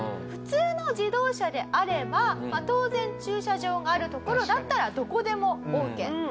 普通の自動車であれば当然駐車場がある所だったらどこでもオーケー。